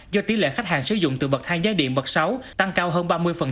do tỷ lệ khách hàng sử dụng từ bậc hai giai điện bậc sáu tăng cao hơn ba mươi